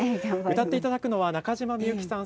歌っていただくのは中島みゆきさん